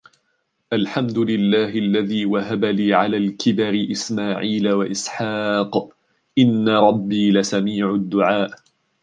الْحَمْدُ لِلَّهِ الَّذِي وَهَبَ لِي عَلَى الْكِبَرِ إِسْمَاعِيلَ وَإِسْحَاقَ إِنَّ رَبِّي لَسَمِيعُ الدُّعَاءِ